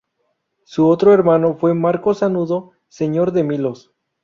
Su otro hermano fue Marco Sanudo, señor de Milos.